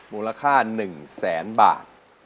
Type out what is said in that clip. มูลค่า๑แสนบาท